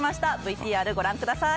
ＶＴＲご覧ください。